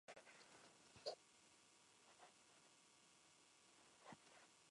Pero no veía la forma de hacerla reaccionar